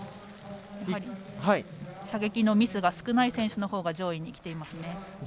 射撃のミスが少ない選手が上位に来ていますね。